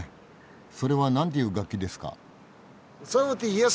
それは何ていう楽器ですか？